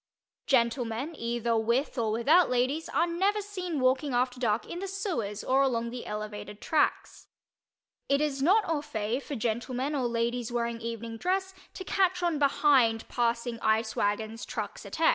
Gentlemen, either with or without ladies, are never seen walking after dark in the sewers or along the elevated, tracks. It is not au fait for gentlemen or ladies wearing evening dress to "catch on behind" passing ice wagons, trucks, etc.